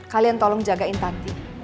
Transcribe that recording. kalian tolong jagain tanti